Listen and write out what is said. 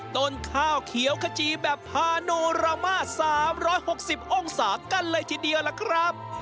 ต้นข้าวเขียวขจีแบบพาโนรามา๓๖๐องศากันเลยทีเดียวล่ะครับ